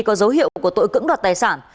có dấu hiệu của tội cưỡng đoạt tài sản